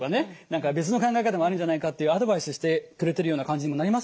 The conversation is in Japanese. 「何か別の考え方もあるんじゃないか」というアドバイスしてくれてるような感じにもなりますよね。